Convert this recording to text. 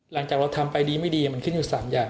หลังจากเราทำไปดีไม่ดีมันขึ้นอยู่๓อย่าง